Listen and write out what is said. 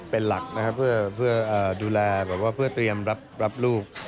เป็นหลักนะครับเพื่อดูแลแบบว่าเพื่อเตรียมรับลูก